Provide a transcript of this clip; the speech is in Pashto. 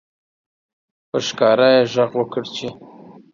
په ښکاره یې غږ وکړ چې